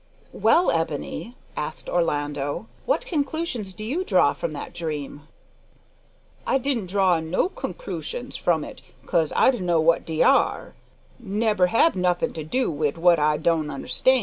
"Well, Ebony," asked Orlando, "what conclusions do you draw from that dream?" "I di'nt draw no kungklooshins from it 'cos I dunno what de are. Nebber hab notin' to do wid what I don' understan'.